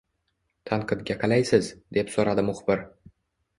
— Tanqidga qalaysiz? – deb so’radi muxbir.